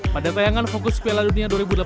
pada tayangan fokus piala dunia dua ribu delapan belas